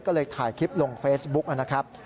ก็เลยถ่ายคลิปลงเฟซบุ๊กนะครับ